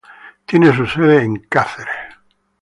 Tiene su sede en Cáceres.